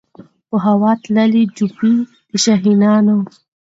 په هوا تللې جوپې د شاهینانو